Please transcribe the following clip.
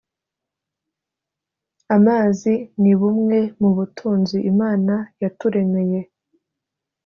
Amazi ni bumwe mu butunzi Imana yaturemeye,